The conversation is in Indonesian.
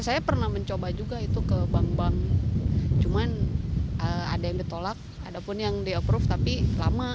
saya pernah mencoba juga itu ke bank bank cuman ada yang ditolak ada pun yang di approve tapi lama